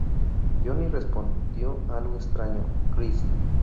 Johnny respondió algo extrañado: "Christ?